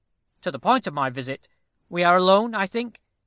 To the point of my visit. We are alone, I think.